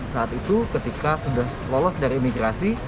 saat itu ketika sudah lolos dari imigrasi